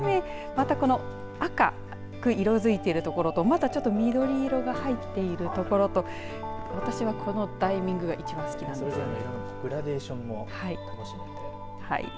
またこの赤く色づいている所とまだちょっと緑色が入っている所と私はこのタイミングが一番好きなんですよね。